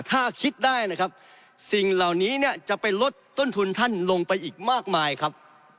ถ้าคิดได้นะครับสิ่งเหล่านี้เนี่ยจะไปลดต้นทุนท่านลงไปอีกมากมายครับ